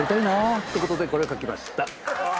って事でこれを書きました。